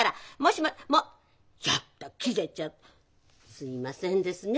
すみませんですね